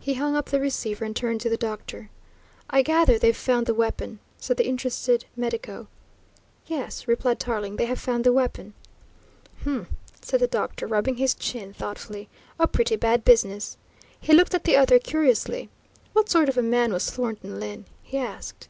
He hung up the receiver and turned to the doctor. "I gather they've found the weapon," said the interested medico. "Yes," replied Tarling, "they have found the weapon." "Humph!" said the doctor, rubbing his chin thoughtfully. "A pretty bad business." He looked at the other curiously. "What sort of a man was Thornton Lyne?" he asked.